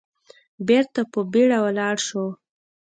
بېرته په بيړه ولاړ شو.